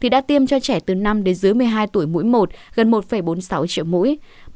đã tiêm cho trẻ từ năm đến dưới một mươi hai tuổi mũi một gần một bốn mươi sáu triệu mũi